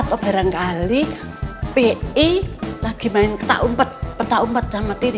sekarang kali pi lagi main peta umpet sama tini